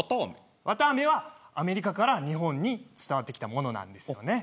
綿あめはアメリカから日本に伝わってきたものなんですよね。